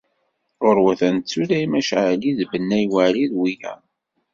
Ɣur-wat ad nettut Lɛimec Ɛli d Bennay Weɛli d wiyaḍ.